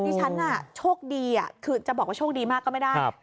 นี่ฉันน่ะโชคดีอ่ะคือจะบอกว่าโชคดีมากก็ไม่ได้ครับ